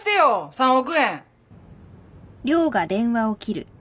３億円。